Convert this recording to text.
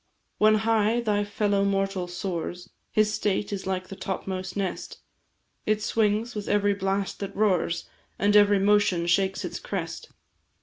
"When high thy fellow mortal soars, His state is like the topmost nest It swings with every blast that roars, And every motion shakes its crest.